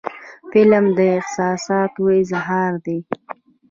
فلم د احساساتو اظهار دی